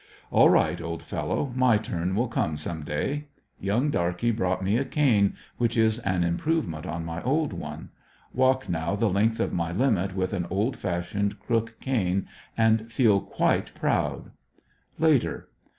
All right, old fellow, my turn will come some day. Young darky brought me a cane, which is an improvement on my old one. Walk now the length of my limit with an old fashioned crook cane and feel quite proud. Later.